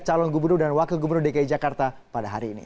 calon gubernur dan wakil gubernur dki jakarta pada hari ini